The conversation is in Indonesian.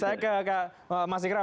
saya ke mas ikram